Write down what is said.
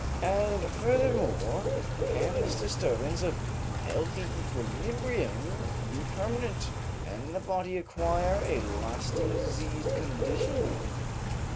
And, furthermore, can this disturbance of healthy equilibrium be permanent and the body acquire a lasting diseased condition?